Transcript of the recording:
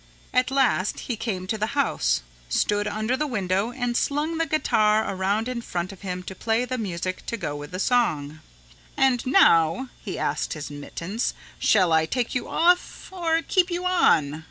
At last he came to the house, stood under the window and slung the guitar around in front of him to play the music to go with the song. "And now," he asked his mittens, "shall I take you off or keep you on?